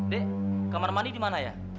dek kamar mandi dimana ya